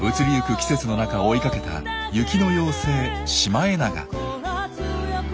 季節の中追いかけた「雪の妖精」シマエナガ。